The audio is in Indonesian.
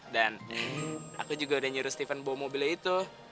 dan aku juga udah nyuruh steven bawa mobilnya itu